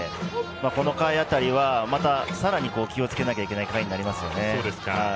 この回辺りはさらに気をつけなければいけない回になりますよね。